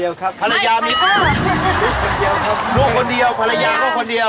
แล้วของพลัญญาที่เราที่เพจบุรี